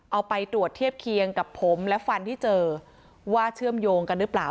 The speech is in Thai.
เอาไปตรวจเทียบเคียงกับผมและฟันที่เจอว่าเชื่อมโยงกันหรือเปล่า